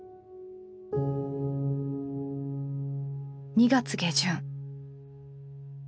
２月下旬。